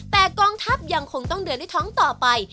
แต่กองทัพยังคงต้องเดินให้ท้องต่อไป